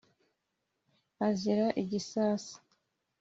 azira igisasa